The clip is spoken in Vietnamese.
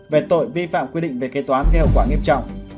về tội vi phạm quy định về kế toán gây hậu quả nghiêm trọng